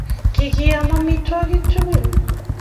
kikiam amitwogik tugul